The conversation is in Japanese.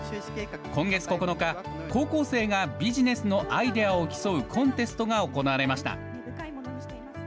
今月９日、高校生がビジネスのアイデアを競うコンテストが行われました。